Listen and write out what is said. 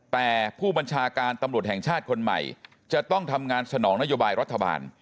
แต่ผู้บัญชาการตำรวจแห่งชาติคนใหม่จะต้องทำงานสนองนโยบายรัฐบาล